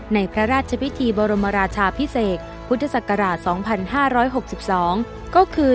ในพระราชพิธีบรมราชาพิเศษพุทธศักราช๒๕๖๒ก็คือ